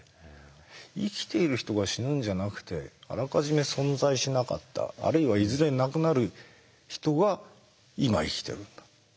生きている人が死ぬんじゃなくてあらかじめ存在しなかったあるいはいずれ亡くなる人が今生きてるんだって。